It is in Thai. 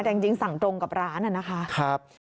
แต่จริงสั่งตรงกับร้านน่ะนะคะ